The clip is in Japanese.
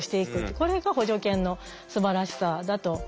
これが補助犬のすばらしさだと思っています。